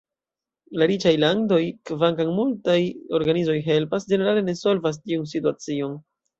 La riĉaj landoj, kvankam multaj organizoj helpas, ĝenerale ne solvas tiun situacion.